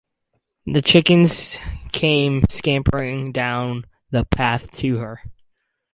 The chickens came scampering down the path to her.